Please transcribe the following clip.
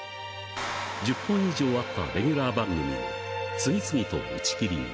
１０本以上あったレギュラー番組も、次々と打ち切りに。